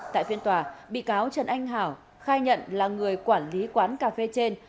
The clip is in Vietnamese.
tại phiên tòa bị cáo trần anh hảo khai nhận là người quản lý quán cà phê trên